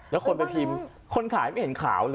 แล้วคนไปพิมพ์คนขายไม่เห็นขาวเลย